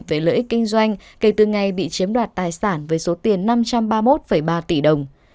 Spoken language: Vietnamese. về lợi ích kinh doanh kể từ ngày bị chiếm đoạt tài sản với số tiền năm trăm ba mươi một ba tỷ đồng